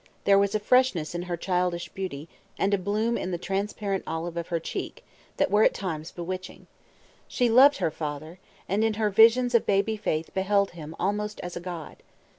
There was a freshness in her childish beauty, and a bloom in the transparent olive of her cheek, that were at times bewitching. She loved her father, and in her visions of baby faith beheld him almost as a god.